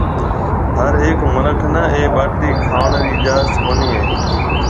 ھر ھيَََڪ مِنک نَي اَي ٻاٽِي کاوڻ رِي اِجازت ڪوني هيَ۔